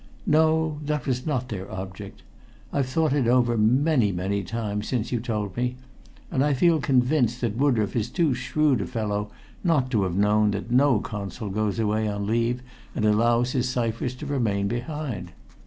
"No; that was not their object. I've thought over it many, many times since you told me, and I feel convinced that Woodroffe is too shrewd a fellow not to have known that no Consul goes away on leave and allows his ciphers to remain behind.